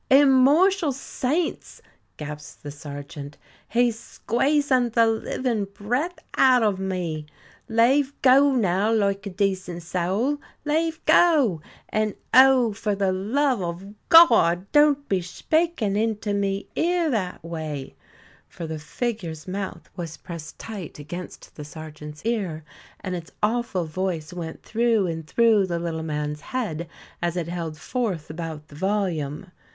"Immortial Saints!" gasped the sergeant, "he's squazin' the livin' breath out uv me. Lave go now loike a dacent sowl, lave go. And oh, for the love uv God, don't be shpakin' into me ear that way;" for the figure's mouth was pressed tight against the sergeant's ear, and its awful voice went through and through the little man's head, as it held forth about the volume.